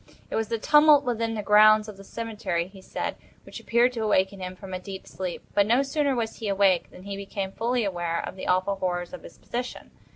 It was the tumult within the grounds of the cemetery, he said, which appeared to awaken him from a deep sleep, but no sooner was he awake than he became fully aware of the awful horrors of his position.